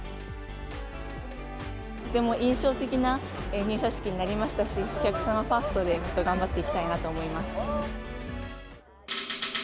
とても印象的な入社式になりましたし、お客様ファーストでもっと頑張っていきたいなと思います。